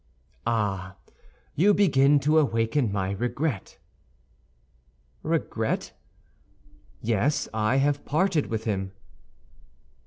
"Ah, you begin to awaken my regret." "Regret?" "Yes; I have parted with him."